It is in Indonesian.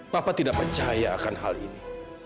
papa tidak percaya akan hal ini